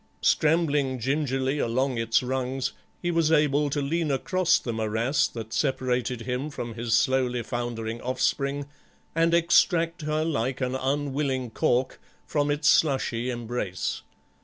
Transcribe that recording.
Scrambling gingerly along its rungs he was able to lean across the morass that separated him from his slowly foundering offspring and extract her like an unwilling cork from it's slushy embrace.